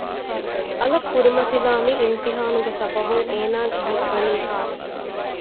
އަލަށް ކުރިމަތިލާ މި އިމްތިހާނުގެ ސަބަބުން އޭނާގެ ހިތްވަނީ ހާސްވެފަ